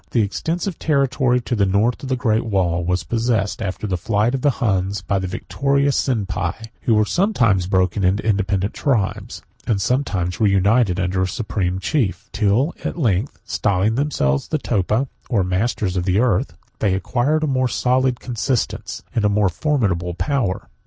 The extensive territory to the north of the great wall was possessed, after the flight of the Huns, by the victorious Sienpi, who were sometimes broken into independent tribes, and sometimes reunited under a supreme chief; till at length, styling themselves Topa, or masters of the earth, they acquired a more solid consistence, and a more formidable power.